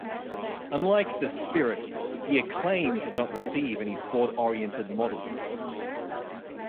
Unlike the Spirit, the Acclaim did not receive any sport-oriented models.